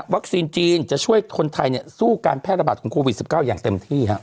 วัคซีนจีนจะช่วยคนไทยสู้การแพทย์ระบาดกับโควิด๑๙อย่างเต็มที่